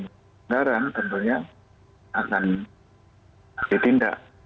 berpengarahan tentunya akan ditindak